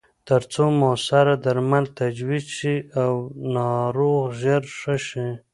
ترڅو موثره درمل تجویز شي او ناروغ ژر ښه شي.